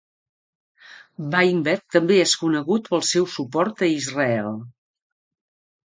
Weinberg també és conegut pel seu suport a Israel.